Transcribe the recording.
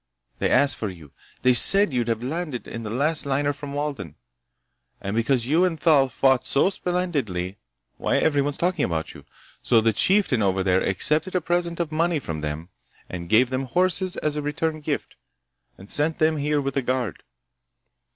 They asked for you. They said you'd have landed from the last liner from Walden. And because you and Thal fought so splendidly—why, everybody's talking about you. So the chieftain over there accepted a present of money from them, and gave them horses as a return gift, and sent them here with a guard.